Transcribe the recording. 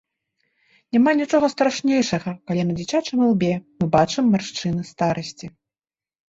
Няма нічога страшнейшага, калі на дзіцячым ілбе мы бачым маршчыну старасці.